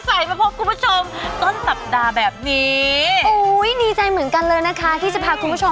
โอ้ยยยป้ายค่ะขอถั่นรับคุณผู้ชมคันสู่รายการที่พร้อมจัดหนักทุกเรื่องที่คุณแม่บ้านควรรู้ค่ะ